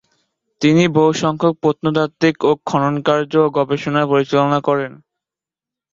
তিনি বহুসংখ্যক প্রত্নতাত্ত্বিক খননকার্য ও গবেষণা পরিচালনা করেন।